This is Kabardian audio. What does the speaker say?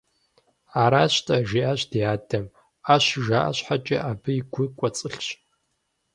– Аращ–тӀэ, – жиӀащ ди адэм, – Ӏэщ жаӀэ щхьэкӀэ, абыи гу кӀуэцӀылъщ.